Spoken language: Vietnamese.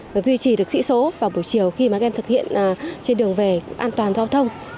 và duy trì được sĩ số vào buổi chiều khi mà các em thực hiện trên đường về an toàn giao thông